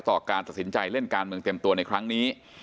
การตัดสินใจเล่นการเมืองเต็มตัวในครั้งนี้